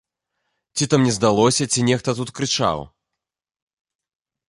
Ці то мне здалося, ці нехта тут крычаў?